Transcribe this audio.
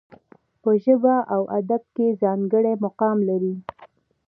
په ژبه او ادب کې ځانګړی مقام لري.